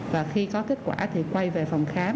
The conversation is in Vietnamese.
và khi có kết quả thì quay về phòng khám